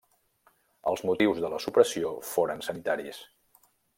Els motius de la supressió foren sanitaris.